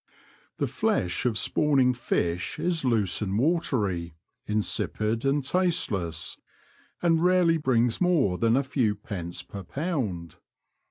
The flesh of spawning fish is loose and watery, insipid and tasteless, and rarely brings more than a few pence per pound.